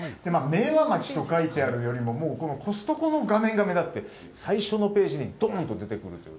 明和町と書いてあるよりもコストコの画面が目立って最初のページにどーんと出てくるという。